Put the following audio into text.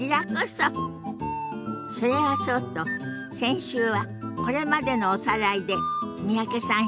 それはそうと先週はこれまでのおさらいで三宅さん